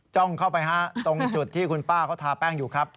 จ้องเข้าไปฮะตรงจุดที่คุณป้าเขาทาแป้งอยู่ครับ